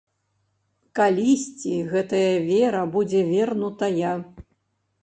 Калісьці гэтая вера будзе вернутая.